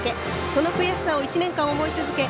その悔しさを１年間、思い続け